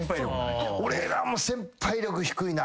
俺らも先輩力低いな。